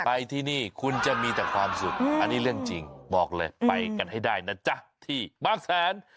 ไปที่นี่คุณจะมีแต่ความสุขอันนี้เรื่องจริงบอกเลยไปกันให้ได้นะจ๊ะที่บางแสน